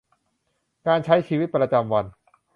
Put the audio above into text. การใช้ชีวิตประจำวัน